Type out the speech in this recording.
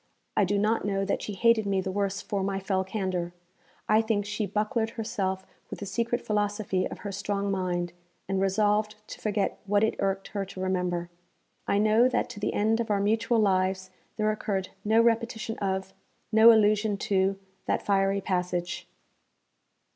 I do not know that she hated me the worse for my fell candour. I think she bucklered herself with the secret philosophy of her strong mind, and resolved to forget what it irked her to remember. I know that to the end of our mutual lives there occurred no repetition of, no allusion to, that fiery passage.